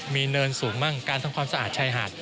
มีเนินสูงเมื่องการทำความสะอาดใช่หาด